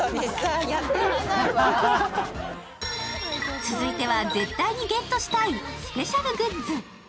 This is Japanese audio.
続いては、絶対にゲットしたいスペシャルグッズ。